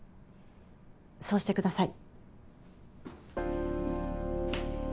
そうしてください。